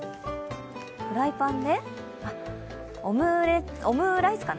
フライパンで、オムライスかな？